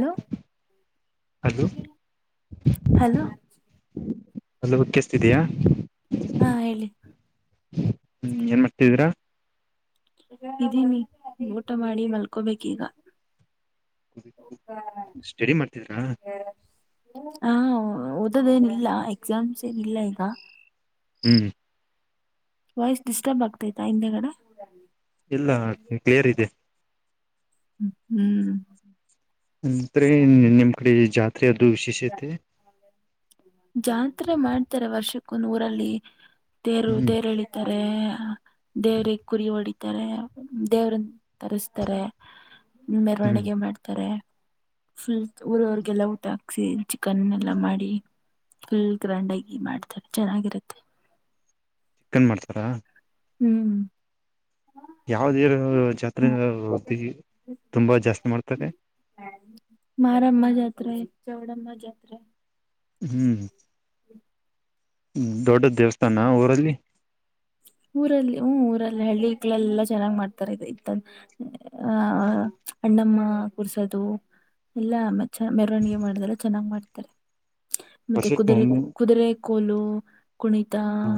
Low hello hello. ಅಲ್ಲಭಕ್ಕಸ್ತಿದಯಾ ಹಾ ಹೇಳಿ ಹ್ಮ್ ಏನ್ ಮಾಡ್ತಿದೀರಾ. ಇದೀನಿ ಊಟ ಮಾಡಿ ಮಲ್ಕೋಬೇಕೀಗ. ಸ್ಟಡಿ ಮಾಡ್ತಿದ್ರಾ. ಹಾ ಓದೋದ ಏನಿಲ್ಲ ಎಕ್ಸಾಮ್ಸ್ ಏನಿಲ್ಲ ಈಗ. ಹ್ ವಾಯ್ಸ್ ಡಿಸ್ಟರ್ಬ್ ಆಗ್ತೈತಾ ಹಿಂದೆಗಡೆ. ಇಲ್ಲ ಕ್ಲಿಯರ್ ಇದೆ ಹ್ಮ್ ಅಂದ್ರೆ ನಿಮ್ ಕಡೆ ಜಾತ್. ಜಾತ್ರೆ ಮಾಡ್ತಾರೆ ವರ್ಷಕ್ಕೂ ನೂರಲ್ಲಿ. ತೇರು ಹ್ಮ್ ತೇರುಳಿತಾರೆ ದೇರೆ ಕುರಿ ಹೊಡಿ. ದೇವ್ರನ್ ತರಿಸತಾರೆ ಹ್ಮ್ ಮೆರವಣಿಗೆ ಮಾಡ್ತಾರೆ. ಫುಲ್ ಊರವರ್ಗೆಲ್ಲ ಊಟ ಹಾಕ್ಸಿ ಚಿಕನ್ ಎಲ್ಲ ಮಾಡಿ. ಫುಲ್ ಗ್ರಾಂಡಗಿ ಮಾಡ್ತಾರೆ ಚೆನ್ನಾಗಿರುತ್ತೆ. ಚಿಕನ್ ಮಾಡ್ತಾರಾ. ಹ್ಮ್ ಯಾವ್ದೇರ ಜಾತ್ರೆ ತುಂಬಾ ಜಾಸ್ತಿ ಮಾಡ್ತಾರೆ. ಮಾರಮ್ಮ ಜಾತ್ರೆ ಚವಡ ಮಜಾತ್ ರ. ಹ್ಮ್ ದೊಡ್ಡ ದೇವಸ್ಥಾನ ಊರಲ್ಲಿ ಊರಲ್ಲಿ ಹ್ಮ ಊರ. ಹಳ್ಳಿಳೆಲ್ಲ ಚೆನ್ನಾಗ್ ಮಾಡ್ತಾರೆ ಇ ಅಣ್ಣಮ್ಮ ಕುರ್ಸದ. [inaudible] ಎಲ್ಲ ಮೆರವಣಿಗೆ ಮಾಡದೆಲ್ಲ ಚೆನ್ನಾಗ್ ಮಾಡ್ತಾರೆ ಮತ್ತೆ ವರ್ಷಕ್ಕೆ ಕುದುರೆ ಒಮ್ಮೆ ಕುದುರೆ. ಕೋಲು ಕುಣಿತ ಹ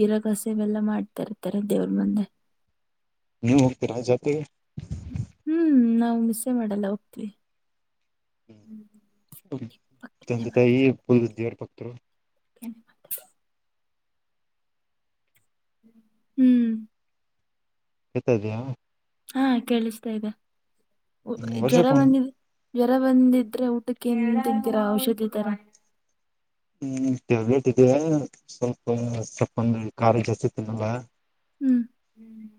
ಗರಕ್. ಕಸವೆಲ್ಲಾ ಮಾಡ್ತಾ ಇರ್ತಾರೆ ದೇವ್ರ ಮುಂದೆ. ನೀವು ಹೋಗ್ತೀರಾ ಜಾತ್ರೆಗೆ. ಹ್ಮ್ ನಾವು ಮಿಸ್ಸೆ ಮಾಡಲ್ಲ ಹೋಗ್ತವಿ. ಹಂತ ತ ಪುಲ್ಬುದದ್ದಿಯವ [unintelligible] ಪಕ್ತ. ಧನ್ಯವಾದ [inaudible] ಹ್ಮ್ ಕತದಯಾ ಹಾ ಕೇಳಿಸ್ತಾ ಇದೆ ಜ್ವರ ವರ್ಷಕ್ಕೊಂದ್ ಬಂದಿದೆ. ಜ್ವರ ಬಂದಿದ್ರೆ ಊಟಕ್ಕೆ ಎಂತ ಇದ್ದೀರಾ ಔಷಧಿ ತರ ಹ್ಮ್ ವಟ್ ಇದೆ ಸ್ವಲ್ಪ ಸ್ವಪಂದ ಖಾಲ ಜಾಸ್ತಿತಿನಲ್ಲ. ಹ್ಮ್ ಹ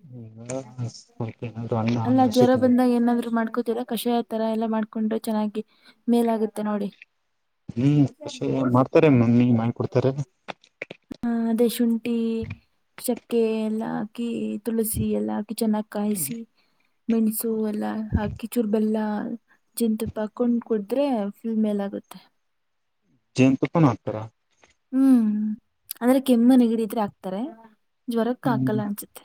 ಹಣ್ಣ ಅಲ್ಲಾ ಜ್ವರ ಹಸಿತ್ ಬಂದಾಗ ಏನಾದ್ರು ಮಾಡ್ಕೊತರ ಕಷಾಯ ತರ ಎಲ್ಲಾ ಮಾಡ್ಕೊಂಡು. ಚೆನ್ನಾಗಿ ಮೇಲಾಗತ್ತೆ ನೋಡಿ ನೀಷೆ ಮಾಡ್ತಾರೆೇ ಮಮ್ಮಿ ಮಾಡಿ ಕೊಡ್ತಾರೆ. ಹ ಅದೇ ಶುಂಠಿ ಶಕ್ಕೆ ಎಲ್ಲ ಹಾಕಿ. ತುಳಸಿ ಎಲ್ಲ ಹಾಕಿ ಚೆನ್ನಾಗಿ ಕಾಯಿಸಿ ಮೆಣಸು ಎಲ್ಲ ಹಾಕಿ ಚೂರ್ ಬೆಲ್ಲ. ಜಿಂತ ಪಾಕ್ಕೊಂಡ್ ಕುಡುದ್ರೆ ಫುಲ್ ಮೇಲ್ಗುತ್ತೆ. ಜೆನ್ ತುಪ್ಪನ್ ಅಕ್ತರ. ಹ್ಮ್ ಅಂದ್ರೆ ಕೆಮ್ಮ ನಗಿಡಿದ್ರೆ ಹಾಕ್ತಾರೆ ಜ್ವರಕ್ಕೆ ಹಾಕಲ್ಲ ಅನ್ಸುತ್ತೆ.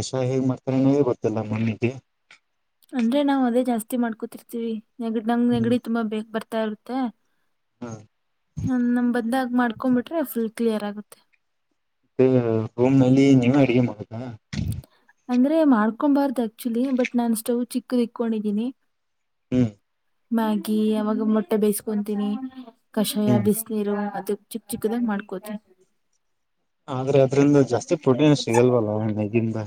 ಎಷಾ ಹೇಗ್ ಮಾಡತ್ರ ಬರ್ತ್ತಲ್ಲ ಮನಿಗೆ. ಅಂದ್ರೆ ನಾವು ಅದೇ ಜಾಸ್ತಿ ಮಾಡ್ಕೊತಿರ್ತೀವಿ ನೆಗಡಿ ನಂಗ ನೆಗಡಿ ತುಂಬಾ ಬೇಗ ಬರ್ತಾ ಇರುತ್ತೆ. ಹಾ ನಮ ನಮ್ ಬಂದಾಗ ಮಾಡ್ಕೊಬಿಟ್ರೆ ಫುಲ್ ಕ್ಲಿಯರ್ ಆಗುತ್ತೆ ಹ್ಮ್ ರೋಮ್ ನಲ್ಲಿ ನೀವೇ ಅಡಗೆ ಮಾಡಬೇಕಾ. ಅಂದ್ರೆ ಮಾಡ್ಕೊಬಾರ್ದು ಆಕ್ಚುಲಿ ಬಟ್ ನಾನ್ ಸ್ಟವ್ ಚಿಕ್ಕದು ಇಕೊಂಡಿದೀನಿ ಹ್ಮ್ ಮ್ಯಾಗಿ ಅವವಾಗ ಮೊಟ್ಟೆ ಬೇಯಿಸ್ಕೊತೀನಿ ಕಷಾಯ ಹ್ಮ್ ಬಿಸಿನೀರು ಅದು ಚಿಕ್ಕ ಚಿಕ್ಕದಾಗಿ ಮಾಡ್ಕೋತಿನಿ. ಆದ್ರೆ ಅದ್ರಿಂದ ಜಾಸ್ತಿ ಪ್ರೋಟೀನ್ ಸಿಗಲ್ವಲ್ಲ ಹಣ್ಣಿಗಿಂದ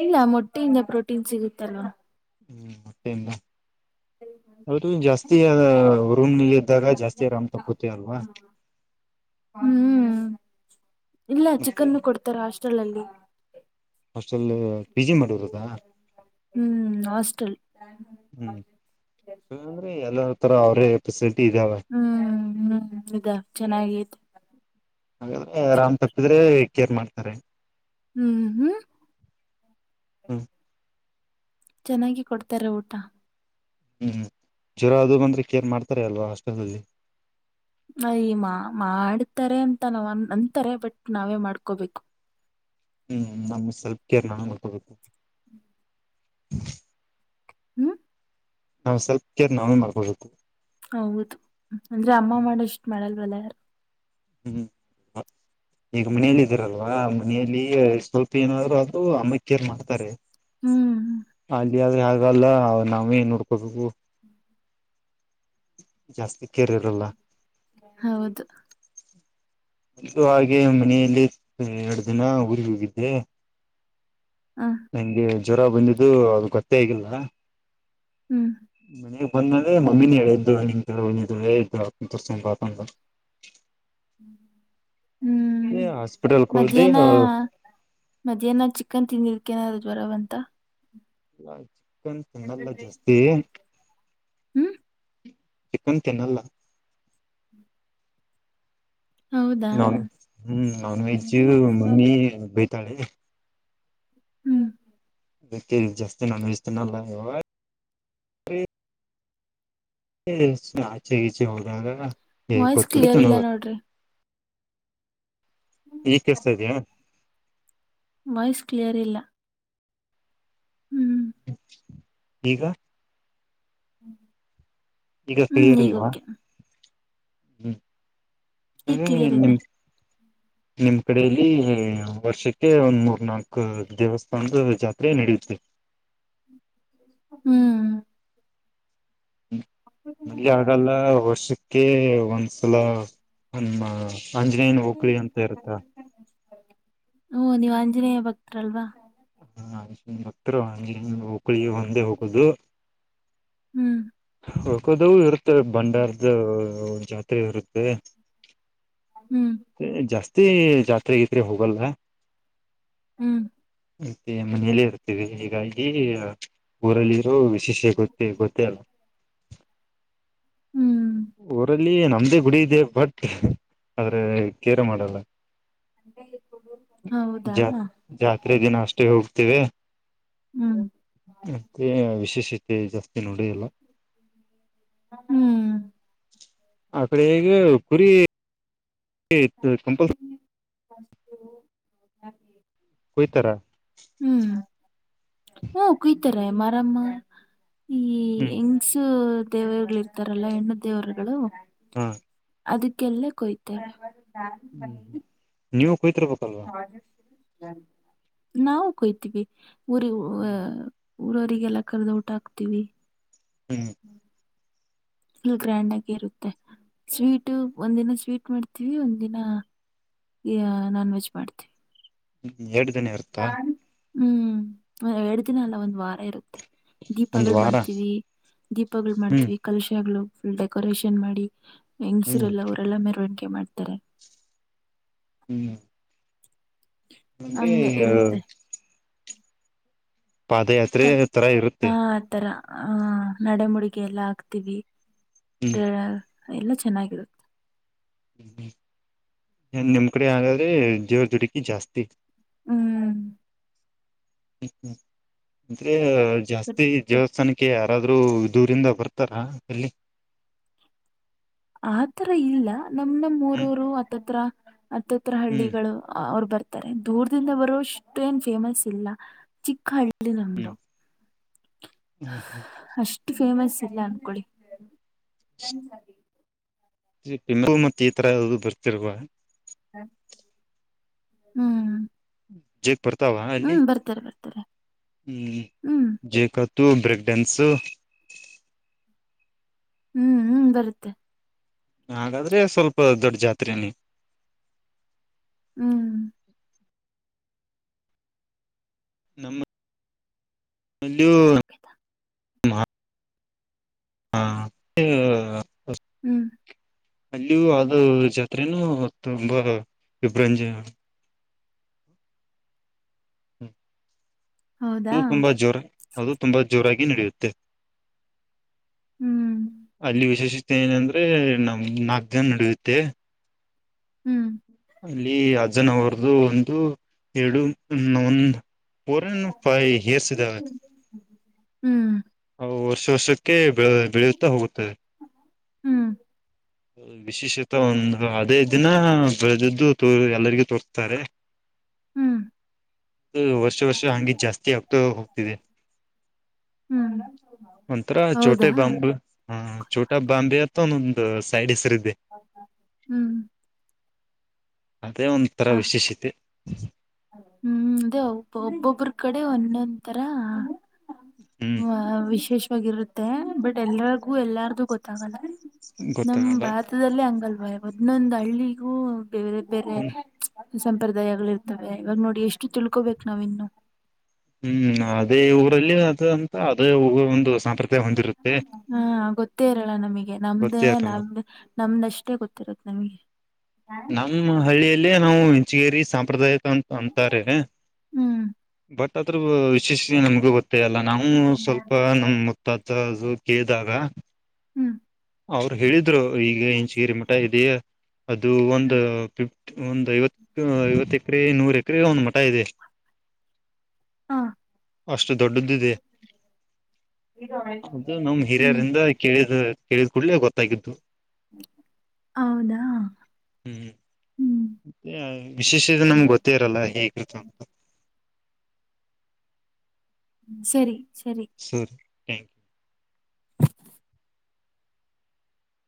ಇಲ್ಲ ಮೊಟ್ಟೆಯಿಂದ ಪ್ರೋಟೀನ್ ಸಿಗುತ್ತಲ್ವಾ. ಹ್ಮ್ ಮತ್ತೇನು ಅದು ಜಾಸ್ತಿಯಾ ರೂಮ್ನಲ್ಲಿ ಇದ್ದಾಗ ಜಾಸ್ತಿ ಅರಾಮ್ ತಪ್ಪತಿ ಅಲ್ವಾ ಹ್ಮ್ ಇಲ್ಲ ಮತ್ತೆ ಚಿಕನ್ ಕೊಡ್ತಾರ ಹಾಸ್ಟೆಲ್ ಅಲ್ಲಿ ಹಾಸ್ಟೆಲ್ ಪಿ ಜಿ ಮಾಡಿರೋದಾ ಹ್ಮ್ ಹಾಸ್ಟಲ್ ಹ್ಮ್ ಹ್ಮ್ ಅಂದ್ರೆ ಎಲ್ಲ ತರ ಅವ್ರೇ ಪಫೆಸಿಲಿಟಿ ಇದಾವ. ಹ್ಮ್ ಹ್ಮ್ ಇದ ಅದಾ ಚೆನ್ನಾಗತೆಲಾ ಹಾಗಾದ್ರೆ ಅರಾಮ್ ತಪ್ಪಿದ್ರೆ ಕೇರ್ ಮಾಡ್ತಾರೆ. ಹ್ಮ್ ಹ್ಮ್ ಹ್ಮ ಚೆನ್ನಾಗಿ ಕೊಡ್ತಾರೆ ಊಟ ಹ್ಮ್ ಜ್ವರ ಅದು ಬಂದ್ರೆ ಕೇರ್ ಮಾಡ್ತಾರೆ ಅಲ್ವಾ ಹಾಸ್ಪೆಟಲ್ಲ್ಲಿ. ಅಯ್ಮ ಮಾಡ್ತಾರೆ ಅಂತ ನಾವ್ ಅಂತಾರೆ ಬಟ್ ನಾವೇ ಮಾಡ್ಕೋಬೇಕು. ಹ್ಮ್ ನಮ್ ಸೇಲ್ಪ್ ಕೇರ್ ನಾವೇ ಮಾಡಕಬೇಕು ಹ್ಮ್ ನಾವು ಸ್ವಲ್ಪ್ ಕೇರ್ ನಾವೇ ಮಾಡ್ಕೊಬೇಕು. ಹೌದು ಅಂದ್ರೆ ಅಮ್ಮ ಮಾಡಷ್ಟ್ ಮಾಡಲ್ವಲ್ಲ. ಹ್ಮ್ ಈಗ ಮನೆಯಲ್ಲಿ ಇದೀರಲ್ವಾ ಮನೆಯಲ್ಲಿ ಸ್ವಲ್ಪ ಏನಾದ್ರು ಅದು ಅಮ್ಮಕ್ಕೇರ್ ಮಾಡ್ತಾರೆ. ಹ್ಮ್ ಅ [unintelligible] ಇದ್ರೆ ಹಾಗಲ್ಲ ಅವ ನಾವೇ ನೋಡ್ಕೋಬೇಕು. ಜಾಸ್ತಿ ಕೇರ್ ಇರಲ್ಲ ಹೌದು ಇದು ಹಾಗೆ ಮನೆಯಲ್ಲಿ ಎರಡು ದಿನ ಊರಿಗೆ ಹೋಗಿದ್ದೆ ಹ ನಂಗೆ ಜ್ವರ ಬಂದಿದ್ದು ಅದು ಗೊತ್ತೇ ಆಗಿಲ್ಲ ಹ್ಮ್ ಮನಗ್ ಬಂದೆ ಮಮ್ಮಿನ ಹೇಳಿದ್ದು ನಿನ್ ಒಳ್ಳೆ ದವಾಖಾನೆ ತೋರಿಸಿಕೊಂಡು ಬಾ ಅಂತ [inaudible] ಹ್ಮ್ ಏ ಹಾಸ್ಪಿಟಲ್ಕ್ ಹೋದೆ ಮಧ್ಯಾಹ್ನ ಮಧ್ಯಾಹ್ನ ಚಿಕನ್ ತಿಂದಿಕೆಏನರು ಜ್ವರಬಂತಾ ಅಲ್ಲ ಚಿಕನ್ ತಿನ್ನಲ್ಲ ಜಾಸ್ತಿ. ಹ್ಮ್ ಚಿಕನ್ ತಿನ್ನಲ್ಲ ಹೌದಾ ನಾನ್ ಹ್ಮ್ ನಾನ್ ವೆಜ್ಜ್ ಮಮ್ಮಿ ಬೈತಾಳೆ ಹ್ಮ್ ಅದಕ್ಕೆ ಜಾಸ್ತಿ ನಾನ್ವೆಜ್ ತಿನ್ನಲ್ಲ ಯಾವಗನಂದ್ರೆ ಆಚೆಗೀಚೆ ಹೋದಾಗ ಹೇ ವಾಯ್ಸ್ ಕೊಟ್ಟ ತ ಕ್ಲಿಯರ್ ಇಲ್ಲ [unintelligible] ನೋಡ್ರಿ ಈಗಾ ಕೆಳಸ್ತಿದ್ಯಾ ವಾಯ್ಸ್ ಕ್ಲಿಯರ್ ಇಲ್ಲ. ಹ್ಮ್ ಈಗ ಹ್ಮ್ ಈಗ ಕ್ಲಿಯರ್ ಈಗ ಇಲ್ವಾ ಓಕೆ ಹ್ಮ ಈಗ ಹ್ಮ್ ಕ್ಲಿಯರ್ ನಿಮ ಇದೆ ನಿಮ್ ಕಡೆಯಲ್ಲಿ ವರ್ಷಕ್ಕೆ ಒಂದ್ ಮೂರ್ ನಾಕು ದೇವಸ್ಥಾನದ ಜಾತ್ರೆ ನಡೆಯುತ್ತೆ ಹ್ಮ್ ಮ ಮದ್ವೆ ಆಗಲ್ಲ ವರ್ಷಕ್ಕೆ ಒಂದ್ಸಲ ನಮ್ಮ ಆಂಜನೇಯನ ಓಕಳಿ ಅಂತ ಇರ್ತದ್. ಹ್ಮ ನೀವ್ ಆಂಜನೇಯ ಭಕ್ತರಲ್ವಾ. ಹ ಅಂಜ ಭಕ್ತರು ಅಂಗೇನಿಲ್ಲ ಓಕಳಿಗೆ ಒಂದೇ ಹೋಗೋದು. ಹ್ಮ್ ಹೊಕೋದು ಇರುತ್ತೆ ಬಂಡಾರದ ಜಾತ್ರೆ ಇರುತ್ತೆ. ಹ್ಮ್ ಜಾಸ್ತಿ ಜಾತ್ರೆ ಗಿತ್ರಿ ಹೋಗಲ್ಲ. ಹ್ಮ್ ಮತ್ತೆ ಮನೆಯಲ್ಲೇ ಇರ್ತೇವಿ ಹೀಗಾಗಿ ಊರಲ್ಲಿರೋ ವಿಶೇಷ ಗೊತ್ತೇ ಗೊತ್ತೇ ಅಲ್ಲ. ಹ್ಮ್ ಊರಲ್ಲಿ ನಮ್ದೇ ಗುಡಿ ಇದೆ ಬಟ್ ಆದ್ರ ಕೇರ್ ಮಾಡಲ್ಲ. ಹೌದಾ ಜಾತ್ ಹ್ಮ್ ಜಾತ್ರೆ ದಿನ ಅಷ್ಟೇ ಹೋಗ್ತೇವಿ. ಹ್ಮ್ ಮತ್ತೆ ವಿಶೇಷತೆ ಇಲ್ಲ. ನೋಡೇ ಇಲ್ಲ. ಹ್ಮ್ ಆ ಕಡೆ ಹೇಗೆ ಕುರಿ ಏ ಇದ ಕಂಪಲ್ಸರಿ [inaudible] ಕುಯ್ತಾರಾ? ಹ್ಮ್ ಹ್ಮ ಕುಯತಾರೆ ಮಾರಮ್ಮ ಈ ಹ್ಮ್ ಹೆಂಗ್ಸು ದೇವರುಗಳು ಇರ್ತಾರಲ್ಲಾ ಹೆಣ್ಣು ದೇವರುಗಳು ಹ್ಮ. ಅದಕ್ಕೆಲ್ಲ ಕೂಯ್ತರೆ. ಹ್ಮ್ ನೀವು ಕುಯತಿರ್ಬೇಕಲ್ಲಾ. ನಾವು ಕೊಯ್ತೀವಿ ಊರಿನ್ ಅ ಹ್ಮ್ ಊರವರಿಗೆಲ್ಲ ಕರೆದು ಊಟ ಹಾಕ್ತಿವಿ. ಹ್ಮ್ ಫುಲ್ ಗ್ರ್ಯಾಂಡ್ ಆಗಿ ಇರುತ್ತೆ ಸ್ವೀಟ ಒಂದಿನ ಸ್ವೀಟ್ ಮಾಡ್ತೀವಿ ಒಂದಿನ ಈ ನಾನ್ ವೆಜ್ ಮಾಡ್ತಿವಿ. ಹ್ಮ್ ಎರಡ ದಿನ ಇರುತ್ತಾ? ಹ್ಮ್ ಎರಡ ದಿನ ಅಲ್ಲ ಒಂದ್ ವಾರ ಇರುತ್ತೆ. ಒಂದು ದೀಪಗಳು ವಾರ ಮಾಡ್ತೀವಿ ದೀಪಗಳು ಹ್ಮ್ ಮಾಡ್ತೀವಿ ಕಲಶಗಳು ಫುಲ್ ಡೆಕೋರೇಷನ್ ಮಾಡಿ ಹ್ಮ್ ಹೆಂಗ್ಸರಲ್ಲ ಅವರೆಲ್ಲ ಮೆರವಣಿಗೆ ಮಾಡ್ತಾರೆ. ಹ್ಮ್ ಅಂದ್ರೆ ಇ ಹಂಗೆ ಇರುತ್ತೆ ಹಾ ತರ ಆ ಇರುತ್ತೆ ತರ ಹಹ ನಡೆಮುಡಗೆ ಎಲ್ಲ ಹಾಕ್ತಿವಿ ಹ್ಮ್ ಎಲ್ಲ ಚೆನ್ನಾಗಿರುತ್ತ. ಹ್ಮ್ ನಿಮ್ ಕಡೆ ಹಾಗಾದ್ರೆ ಜೇವರ ದುಡುಕಿ ಜಾಸ್ತಿ. ಹ್ಮ್ ಅಂದ್ರೆ ಬಟ್ ಜಾಸ್ತಿ ದೇವಸ್ಥಾನಕ್ಕೆ ಯಾರಾದ್ರೂ ದೂರಿಂದ ಬರ್ತಾರಾ ಇಲ್ಲಿ. ಆತರ ಇಲ್ಲ ನಮ್ ನಮ್ಮ ಹ್ಮ್ ಊರೋರು ಆತ್ತತ್ರ ಹತ್ತತ್ರ ಹ್ಮ್ ಹಳ್ಳಿಗಳು ಅವ್ರ ಬರ್ ತ್ತಾರೆ ದೂರದಿಂದ ಬರುವಷ್ಟು ಏನ್ ಫೇಮಸ್ ಇಲ್ಲ ಚಿಕ್ಕ ಹಳ್ಳಿ ನಮ್ದು. ಹ್ಮ್ ಹ್ಮ್ ಇಷ್ಟ ಫೇಮಸ್ ಇಲ್ಲ ಅನ್ಕೊಳ್ಳಿ. [unintelligible] ಈ ತರ ಯಾದು ಬರ್ತಿರುವ ಹ್ಮ್ ಜೇಕ್ ಬರ್ತಾವ ಅಲ್ಲಿ ಹ್ಮ್ ಬರ್ತಾರೆ ಬರ್ತಾರೆ ಹ್ಮ ಹ್ಮ್ ಜೇಕ ತೂ ಬ್ರೇಕ್ ಡ್ಯಾನ್ಸು ಹ್ಮ್ ಹ್ಮ್ ಬರುತ್ತೆ. ಹಾಗಾದ್ರೆ ಸ್ವಲ್ಪ ದೊಡ್ಡ ಜಾತ್ರೆ ಹ್ಮ್ [unintelligible] ನಮ್ಮಲ್ಲಿಯ ಹಾ [inaudible] ಹ್ಮ್ ಅಲ್ಲಿಯೂ ಅದು ಜಾತ್ರೆನೂ ತುಂಬಾ ವಿಭ್ರಂಜ. ಹೌದಾ ಅದು ತುಂಬಾ ಜೋರ ಅದು ತುಂಬಾ ಜೋರ. ನಡೆಯುತ್ತೆ ಹ್ಮ್ ಅಲ್ಲಿ ವಿಶೇಷ. ಏನಂದ್ರೆ ನಮ್ ನಗ್ಗ ನಡಿಯುತ್ತೆ. ಹ್ಮ್ ಅಲ್ಲಿ ಅಜ್ಜನ ಅವರದು ಒಂದು ಎರಡು ಒಂದ. ಪರನ್ ಪಾಯ ಹೆಸಿದ. ಹ್ಮ್ ವರ್ಷ ವರ್ಷಕ್ಕೆ ಬೆ ಬೆಳೆಯುತ್ತಾ ಹೋಗುತ್ತದೆ. ಹ್ಮ್ ವಿಶೇಷತಾ ಒಂದು ಅದೇ ದಿನ ಬೆಳೆದದ್ದು. ಎಲ್ಲರಿಗೂ ತೋರ್ತಾರೆ ಹ್ಮ್ ವರ್ಷ ವರ್ಷ ಹಂಗಿ ಜಾಸ್ತಿ ಆಗ್ತಾ ಹೋಗ್ತಿದೆ. ಹ್ಮ್ ಒಂತರ ಚೋಟಾ ಹೌದಾ ಬಾಂಬೂ ಹ ಚೋಟ ಬಾಂಬೆ ಮಂದೊಂದು ಸೈಡ್ ಹೆಸರ. ಹ್ಮ್ ಅದೇ ಒಂಥರ ಹ ವಿಶೇಷತೆ. ಹ್ಮ್ ಅದೇ ಒಬ್ಬ ಒಬ್ಬೊಬ್ರ ಕಡೆ ಒಂದೊಂತರ. ಹ್ಮ್ ಹ ವಿಶೇಷವಾಗಿರುತ್ತೆ ಬಟ್ ಎಲ್ರಿಗೂ ಎಲ್ಲಾರ್ದು ಗೊತ್ತಾಗಲ್ಲ. ನಮ ಗೊತ್ತಾಗಲ್ಲ ಭಾರತದಲ್ಲೇ ಹಂಗಲ್ವಾ ಒದ್ನೊಂದ್ ಹಳ್ಳಿಗೂ. ಬೇರೆ ಬೇರೆ ಸಂಪ್ರದಾಯಗಳಿರ್. ಅ ಇವಾಗ ನೋಡಿ ಎಷ್ಟು ತಿಳ್ಕೋಬೇಕ್ ನಾವ ಇನ್ನು. ಹ್ಮ್ ಅದೇ ಊರಲ್ಲಿ ಅ ಅಂತ ಅದೇ ಒಂದು ಸಾಂಪ್ರ. ಹಾ ಗೊತ್ತೇ ಇರಲ್ಲ ನಮಗೆ ನಮ್ದೇ ಗೊತ್ತೇ ಅ ನಮ್ದ. ನಮ್ದಷ್ಟೇ ಗೊತ್ತಿರತ್ತ ನಮ್ಗೆ. ನಮ್ಮ ಹಳ್ಳಿಯಲ್ಲೇ ನಾವು ಇಂಚಗೇರಿ ಸಾಂಪ್ರದಾಯಿಕ ಅಂತ ಅಂತಾರೆ ಹ್ಮ್ ಬಟ್ ಅದ್ರ. ಹೆಕ್ಷಿಸಿ ನಮ್ಗೂ ಗೊತ್ತೇ ಅಲ್ಲ ನಾವು ಸ್ವಲ್ಪ ನಮ್ಮುತ್ತಾದ ಅದು [unintelligible] ಹ್ಮ್ ಅವ್ರು ಹೇಳಿದ್ರು ಈಗ ಇಂಚಗಿರಿ ಮಠ ಇದೆಯ ಅದು ಒಂದು [inaudible] ಫ ಒಂದ್ ಐವತ್ತು ಐವತ್ತು ಎಕರೆ ನೂರ ಎಕ. ಕ ಕರೆ ಹನ್ ಮಟ ಇದೆ ಹ ಅಷ್ಟು ದೊಡ್ಡದ್ದಿದೆ. ಅದು ನಮ ಹ್ಮ್ ಹಿರಿಯರಿಂದ ಕೇಳಿದ್ ಕೇಳಿದ್ ಕೂಡ್ಲೆೇ ಗೊತ್ತಾಗಿದ್ದತ್ತು. ಹೌದಾ ಹ್ಮ್ ಮ ವಿಶೇಷ ನಮ್ಗೆ ಗೊತ್ತೇ ಇರಲ್ಲ ಹೇಗತ್ತು ಅಂತ. ಸರಿ ಸರಿ ಥ್ಯಾಂಕ್ ಯು.